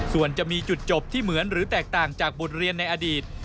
ส่วนจะมีจุดจบที่เหมือนหรือแตกต่างจากบทเรียนในอดีต